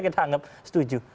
kita anggap setuju